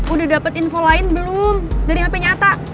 udah dapet info lain belum dari hp nya atta